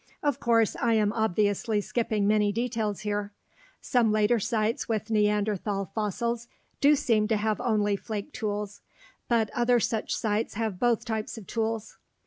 Of course, I am obviously skipping many details here. Some later sites with Neanderthal fossils do seem to have only flake tools, but other such sites have both types of tools.